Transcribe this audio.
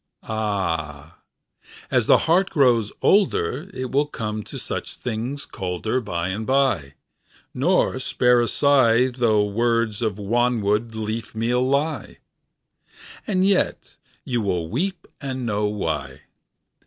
Áh! ás the heart grows olderIt will come to such sights colderBy and by, nor spare a sighThough worlds of wanwood leafmeal lie; And yet you wíll weep and know why.